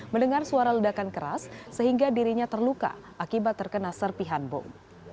mendengar suara ledakan keras sehingga dirinya terluka akibat terkena serpihan bom